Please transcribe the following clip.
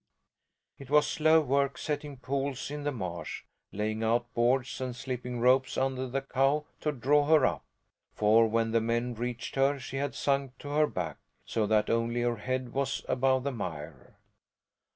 It was slow work setting poles in the marsh, laying out boards and slipping ropes under the cow, to draw her up by. For when the men reached her she had sunk to her back, so that only her head was above the mire.